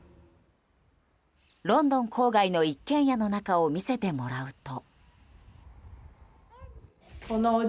ロンドン郊外の一軒家の中を見せてもらうと。